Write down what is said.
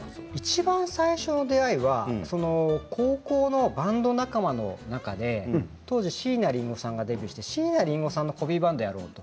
いちばん最初の出会いが高校のバンド仲間の中で当時、椎名林檎さんがデビューして椎名林檎さんのコピーバンドをやろうと。